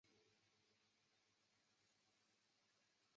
第一任主席为布拉什曼。